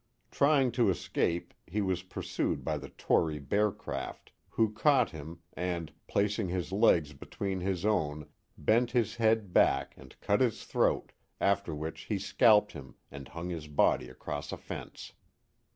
Trying to escape, he was pursued by the tory Beacraft, who caught him, and, placing his legs be tween his own, bent his head back and cut his throat, after which he scalped him and hung his body across a fence.